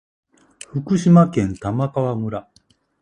福島県玉川村